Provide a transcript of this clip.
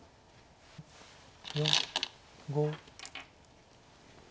４５。